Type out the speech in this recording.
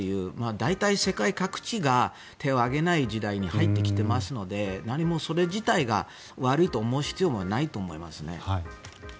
大体、世界各地が手を挙げない時代に入ってきていますので何もそれ自体が悪いと思う必要もないと思います。